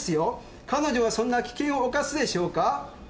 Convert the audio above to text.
彼女がそんな危険を冒すでしょうか？